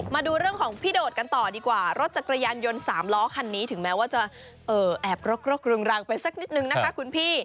มาดูเรื่องของพี่โดดกันต่อดีกว่ารถจักรยานยนต์๓ล้อคันนี้ถึงแม้ว่าจะแอบรกรุงรังไปสักนิดนึงนะคะคุณพี่